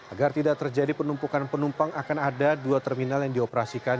agar tidak terjadi penumpukan penumpang akan ada dua terminal yang dioperasikan